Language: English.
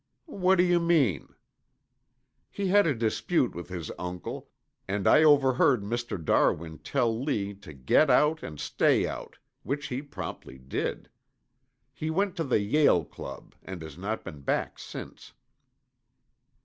"What do you mean?" "He had a dispute with his uncle and I overheard Mr. Darwin tell Lee to get out and stay out, which he promptly did. He went to the Yale Club and has not been back since."